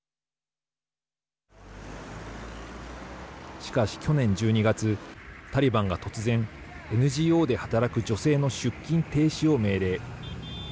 しかし去年１２月、タリバンが突然ＮＧＯで働く女性の出勤停止を命令。